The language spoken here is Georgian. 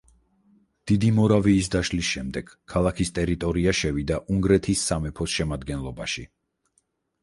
დიდი მორავიის დაშლის შემდეგ ქალაქის ტერიტორია შევიდა უნგრეთის სამეფოს შემადგენლობაში.